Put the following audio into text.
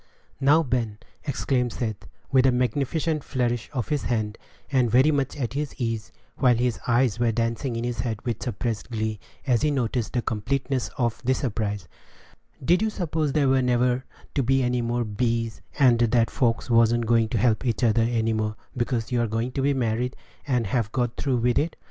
"Now, Ben," exclaimed Seth, with a magnificent flourish of his hand, and very much at his ease, while his eyes were dancing in his head with suppressed glee, as he noticed the completeness of the surprise, "did you suppose there were never to be any more 'bees,' and that folks wan't going to help each other any more, because you are going to be married, and have got through with it?